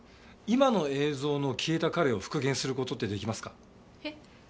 今の映像の消えた彼を復元する事ってできますか？